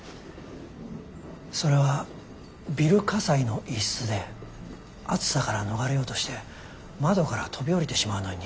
それはビル火災の一室で熱さから逃れようとして窓から飛び降りてしまうのに似ていますよ。